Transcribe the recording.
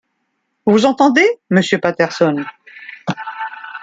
Vous entendez, monsieur Patterson ?…